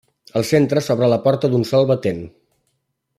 Al centre s'obre la porta d'un sol batent.